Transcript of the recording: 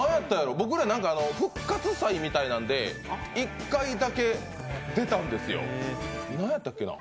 僕らは復活祭みたいなやつで１回だけ出たんですよ、なんやったっけな？